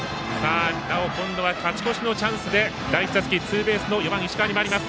なお、今度は勝ち越しのチャンスで第１打席ツーベースの４番石川に回ります。